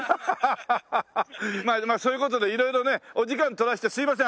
まあそういう事で色々ねお時間取らせてすいません。